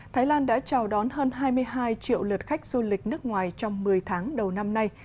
thái lan đã chào đón hơn hai mươi hai triệu lượt khách du lịch nước ngoài trong một mươi tháng đầu năm nay